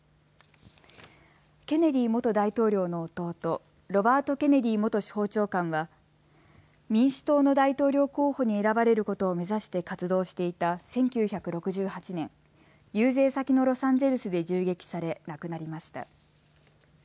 ケネディ元大統領の弟、ロバート・ケネディ元司法長官は民主党の大統領候補に選ばれることを目指して活動していた１９６８年、遊説先のロサンゼルスで銃撃され亡くなりました。